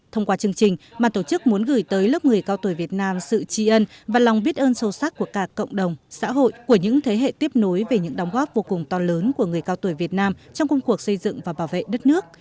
thông qua chương trình ban tổ chức muốn gửi tới lớp người cao tuổi việt nam sự tri ân và lòng biết ơn sâu sắc của cả cộng đồng xã hội của những thế hệ tiếp nối về những đóng góp vô cùng to lớn của người cao tuổi việt nam trong công cuộc xây dựng và bảo vệ đất nước